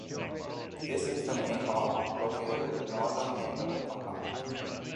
This is the Main Hall, located at the northern end of the compound.